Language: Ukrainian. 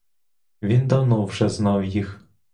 Він давно вже знав їх.